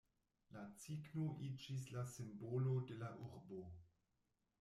La cigno iĝis la simbolo de la urbo.